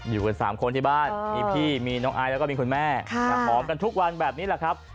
อยู่กัน๓คนที่บ้านมีพี่มีน้องไอซแล้วก็มีคุณแม่หอมกันทุกวันแบบนี้แหละครับ